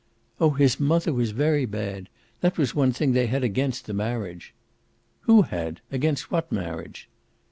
"Oh his mother was very bad. That was one thing they had against the marriage." "Who had? against what marriage?"